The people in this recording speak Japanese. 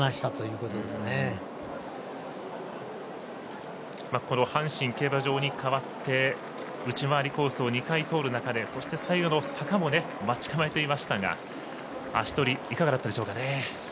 この阪神競馬場に変わって内回りコースを２回、通る中でそして最後の坂も待ち構えていましたが足取りいかがだったでしょうかね？